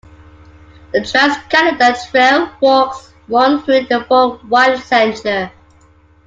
The Trans Canada Trail walks one through the Fort Whyte Centre.